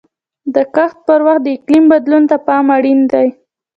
د کښت پر وخت د اقلیم بدلون ته پام اړین دی.